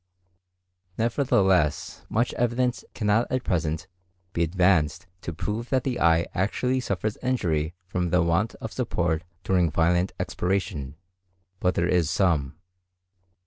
Nevertheless much evidence cannot at present be advanced to prove that the eye actually suffers injury from the want of support during violent expiration; but there is some.